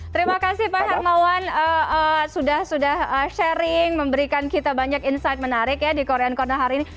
terima kasih pak hermawan sudah sharing memberikan kita banyak insight menarik di korea korea hari ini